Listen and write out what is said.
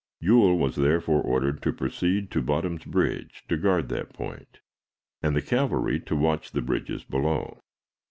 Ewell was therefore ordered to proceed to Bottom's Bridge, to guard that point, and the cavalry to watch the bridges below.